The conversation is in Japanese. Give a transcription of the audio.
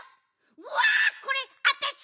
うわっこれわたし！？